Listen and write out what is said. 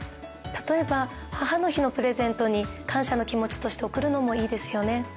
例えば母の日のプレゼントに感謝の気持ちとして送るのもいいですよね。